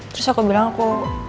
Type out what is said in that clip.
terus aku bilang aku